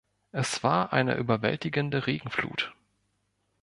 Es war eine überwältigende Regenflut.